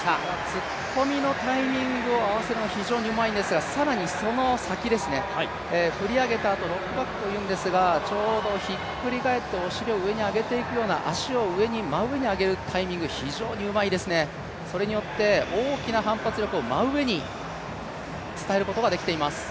突っ込みのタイミングの合わせも非常にうまいんですが更にその先ですね、振り上げたあとちょうどひっくり返ってお尻を上に上げていくような、足を真上に上げるタイミング、非常にうまいですね、それによって大きな反発力を真上に伝えることができています。